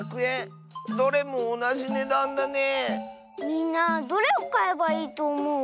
みんなどれをかえばいいとおもう？